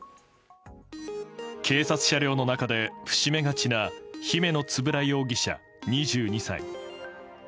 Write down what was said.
警察車両の中で伏し目がちな姫野円容疑者、２２歳。